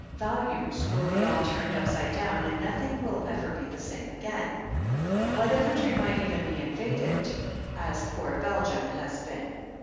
Values will be all turned upside down, and nothing will ever be the same again. Why, the country might even be invaded, as poor Belgium has been.